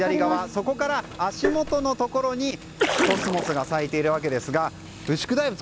そこから足元のところにコスモスが咲いているわけですが牛久大仏